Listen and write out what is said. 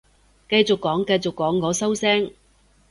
繼續講繼續講，我收聲